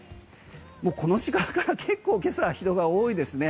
もうこの時間から結構今朝、人が多いですね。